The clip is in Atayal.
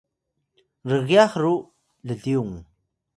rgyax ru llyung